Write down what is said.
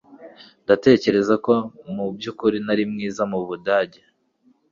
Ndatekereza ko mubyukuri ntari mwiza mubidage